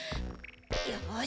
よし！